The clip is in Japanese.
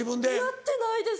「やってないです！」。